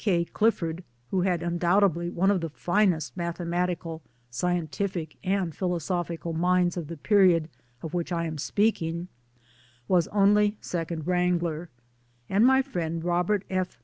W. K. Clifford who had undoubtedly one of the finest mathe matical, scientific, and philosophical minds of the period of which I am speaking was only Second Wrangler ; and my friend Robert F.